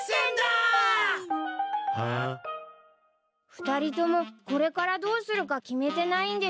２人ともこれからどうするか決めてないんでしょ？